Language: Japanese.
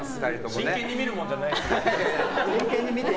真剣に見るものじゃないから。